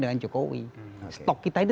dengan jokowi stok kita itu